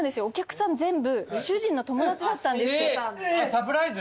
サプライズ？